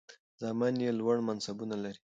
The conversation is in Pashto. زامن یې لوړ منصبونه لري.